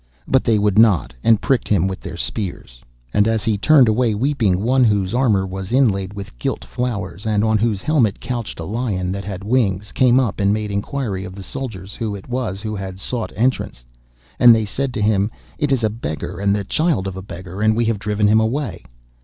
But they would not, and pricked him with their spears. And, as he turned away weeping, one whose armour was inlaid with gilt flowers, and on whose helmet couched a lion that had wings, came up and made inquiry of the soldiers who it was who had sought entrance. And they said to him, 'It is a beggar and the child of a beggar, and we have driven him away.